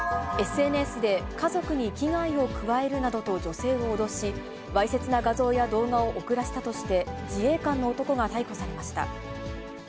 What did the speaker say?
ＳＮＳで、家族に危害を加えるなどと女性を脅し、わいせつな画像や動画を送らせたとして、自衛官の男が逮捕されました。